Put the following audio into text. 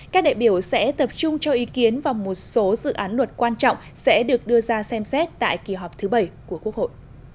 các đại biểu sẽ tập trung cho ý kiến vào một số dự án luật quan trọng sẽ được đưa ra xem xét tại kỳ họp thứ bảy của quốc hội